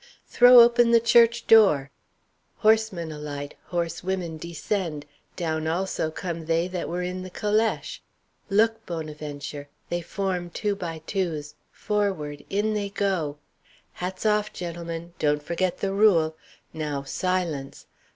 Throw open the church door! Horsemen alight, horsewomen descend; down, also, come they that were in the calèche. Look, Bonaventure! They form by twos forward in they go. "Hats off, gentlemen! Don't forget the rule! Now silence!